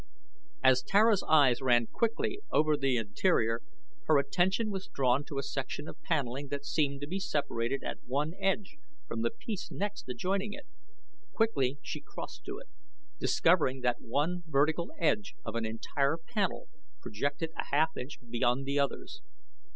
As Tara's eyes ran quickly over the interior her attention was drawn to a section of paneling that seemed to be separated at one edge from the piece next adjoining it. Quickly she crossed to it, discovering that one vertical edge of an entire panel projected a half inch beyond the others.